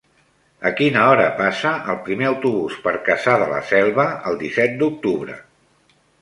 A quina hora passa el primer autobús per Cassà de la Selva el disset d'octubre?